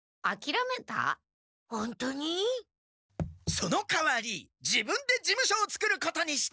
そのかわり自分で事務所を作ることにした。